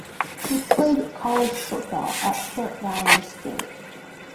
He played college football at Fort Valley State.